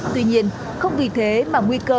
tuy nhiên không vì thế mà nguy cơ